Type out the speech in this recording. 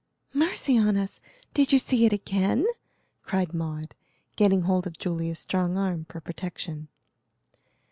"Mercy on us! Did you see it again?" cried Maud, getting hold of Julia's strong arm for protection.